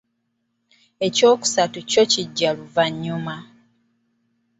Ekyokusatu kyo kijja luvannyuma.